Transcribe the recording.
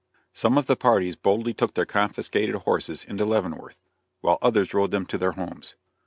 ] Some of the parties boldly took their confiscated horses into Leavenworth, while others rode them to their homes.